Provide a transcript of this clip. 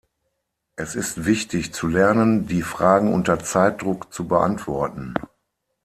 Es ist wichtig, zu lernen, die Fragen unter Zeitdruck zu beantworten.